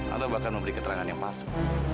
atau bahkan memberi keterangan yang palsu